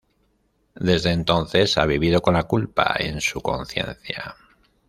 Desde entonces ha vivido con la culpa en su conciencia.